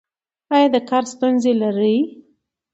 ایا د کار ستونزې لرئ؟